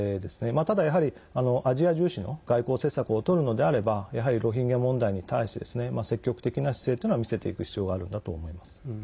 ただ、やはりアジア重視の外交政策をとるのであればやはりロヒンギャ問題に対して積極的な姿勢というのは見せていく必要があるんだと思います。